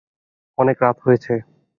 অনেক রাত হয়েছে।